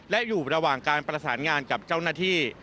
และอยู่ระหว่างการประสานงานกับเจ้าหน้าที่